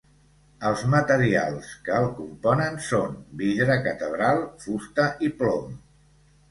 Els materials que el componen són: vidre catedral, fusta i plom.